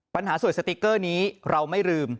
ปัญหาสวยสติ๊กเกอร์นี้เราไม่ลืม